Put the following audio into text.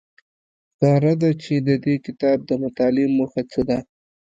ښکاره ده چې د دې کتاب د مطالعې موخه څه ده